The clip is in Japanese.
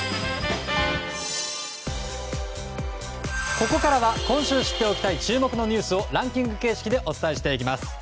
ここからは今週知っておきたい注目のニュースをランキング形式でお伝えしていきます。